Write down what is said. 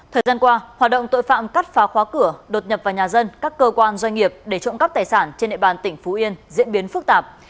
thời gian qua hoạt động tội phạm cắt phá khóa cửa đột nhập vào nhà dân các cơ quan doanh nghiệp để trộm cắp tài sản trên địa bàn tỉnh phú yên diễn biến phức tạp